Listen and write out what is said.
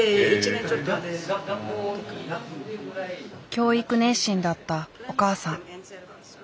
教育熱心だったお母さん。